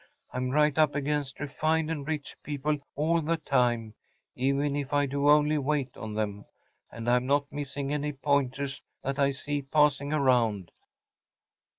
I’m right up against refined and rich people all the time‚ÄĒeven if I do only wait on them; and I’m not missing any pointers that I see passing around.